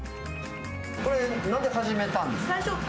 これ、なんで始めたんですか？